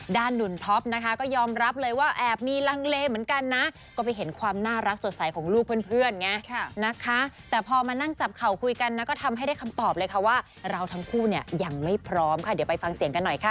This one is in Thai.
หนุ่มท็อปนะคะก็ยอมรับเลยว่าแอบมีลังเลเหมือนกันนะก็ไปเห็นความน่ารักสดใสของลูกเพื่อนไงนะคะแต่พอมานั่งจับเข่าคุยกันนะก็ทำให้ได้คำตอบเลยค่ะว่าเราทั้งคู่เนี่ยยังไม่พร้อมค่ะเดี๋ยวไปฟังเสียงกันหน่อยค่ะ